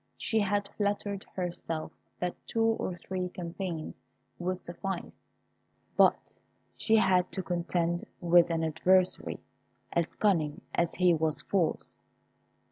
She had flattered herself that two or three campaigns would suffice; but she had to contend with an adversary as cunning as he was false.